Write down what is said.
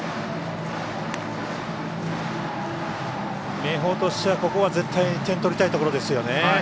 明豊としてはここは絶対点を取りたいところですよね。